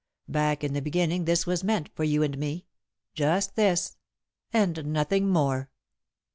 Back in the beginning this was meant for you and me just this, and nothing more."